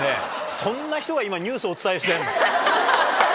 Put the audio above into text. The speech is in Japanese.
そんな人が今、ニュースお伝えしてるんだ。